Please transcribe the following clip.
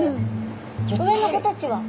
上の子たちは？